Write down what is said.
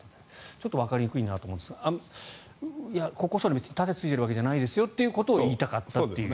ちょっとわかりにくいなと思うんですが国交省に盾ついてるわけじゃないですよということを言いたかったという。